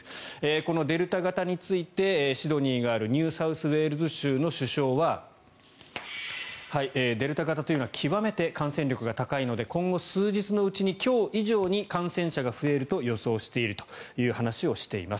このデルタ型についてシドニーがあるニューサウスウェールズ州の首相はデルタ型というのは極めて感染力が高いので今後数日のうちに今日以上に感染者が増えると予想しているという話をしています。